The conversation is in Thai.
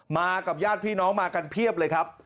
กับญาติพี่น้องมากันเพียบเลยครับ